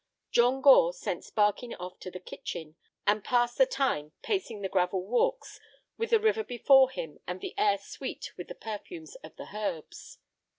John Gore sent Sparkin off to the kitchen, and passed the time pacing the gravel walks, with the river before him and the air sweet with the perfumes of the herbs.